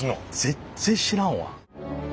全然知らんわ。